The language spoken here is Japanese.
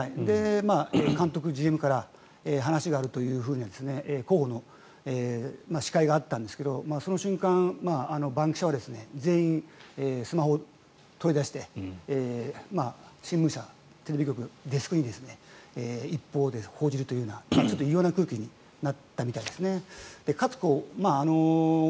監督、ＧＭから話があると広報の司会があったんですがその瞬間、番記者は全員スマホを取り出して新聞社、テレビ局のデスクに一報を報じるという異様な空気になったんですね。